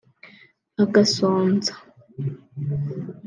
agasonza